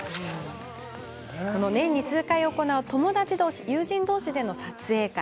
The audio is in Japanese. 年に数回行う友人同士での撮影会。